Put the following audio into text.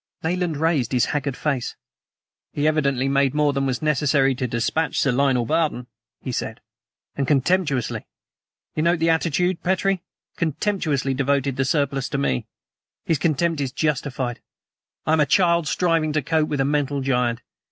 Nayland raised his haggard face. "He evidently made more than was necessary to dispatch Sir Lionel Barton," he said; "and contemptuously you note the attitude, Petrie? contemptuously devoted the surplus to me. His contempt is justified. I am a child striving to cope with a mental giant.